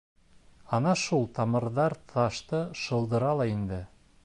Ана шул тамырҙар ташты шылдыра ла инде.